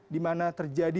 di mana terjadi